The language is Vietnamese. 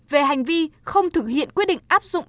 về hành vi không thực hiện quyết định áp dụng